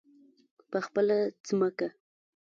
په خپله ځمکه.